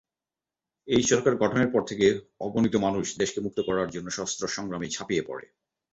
এই সরকার গঠনের পর থেকে অগণিত মানুষ দেশকে মুক্ত করার জন্য সশস্ত্র সংগ্রামে ঝাঁপিয়ে পড়ে।